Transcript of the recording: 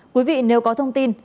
quý vị nếu có thông tin